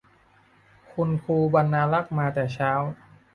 คุณครูบรรณารักษ์มาแต่เช้า